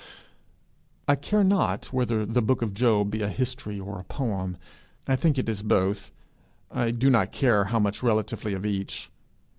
I care not whether the book of Job be a history or a poem. I think it is both I do not care how much relatively of each.